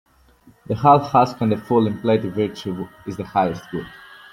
The hull husk and the full in plenty Virtue is the highest good.